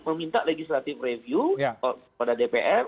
meminta legislative review pada dpr